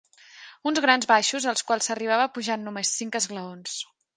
Uns grans baixos, als quals s'arribava pujant només cinc esglaons.